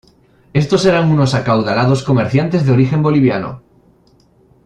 Estos eran unos acaudalados comerciantes de origen boliviano.